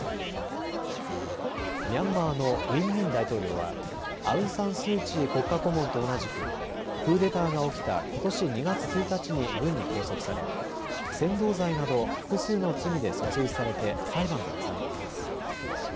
ミャンマーのウィン・ミン大統領はアウン・サン・スー・チー国家顧問と同じくクーデターが起きたことし２月１日に軍に拘束され扇動罪など複数の罪で訴追されて裁判が続いています。